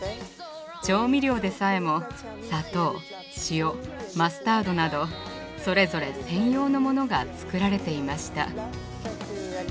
調味料でさえも砂糖塩マスタードなどそれぞれ専用のモノが作られていました。